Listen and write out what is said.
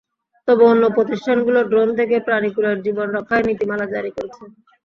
তবে অন্য প্রতিষ্ঠানগুলো ড্রোন থেকে প্রাণিকুলের জীবন রক্ষায় নীতিমালা জারি করছে।